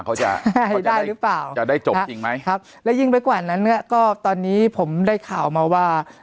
เขาจะให้ได้หรือเปล่าจะได้จบจริงไหมครับและยิ่งไปกว่านั้นเนี้ยก็ตอนนี้ผมได้ข่าวมาว่า